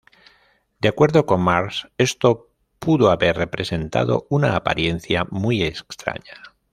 De acuerdo con Marsh, esto pudo haber "representado una apariencia muy extraña".